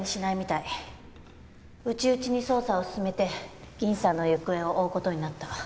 内々に捜査を進めて銀さんの行方を追う事になった。